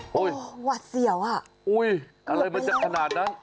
หวัดเสี่ยวอ่ะอุ้ยอะไรมันจะขนาดนั้น